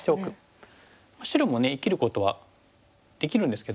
白もね生きることはできるんですけども。